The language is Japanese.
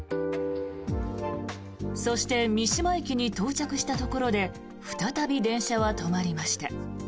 そして三島駅に到着したところで再び電車は止まりました。